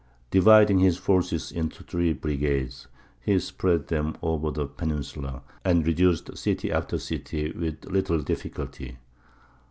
Dividing his forces into three brigades, he spread them over the peninsula, and reduced city after city with little difficulty.